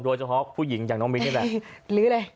โดยเฉพาะผู้หญิงอย่างน้องมิ้นเนี่ยแหละ